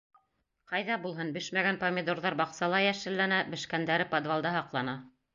— Ҡайҙа булһын, бешмәгән помидорҙар баҡсала йәшелләнә, бешкәндәре подвалда һаҡлана.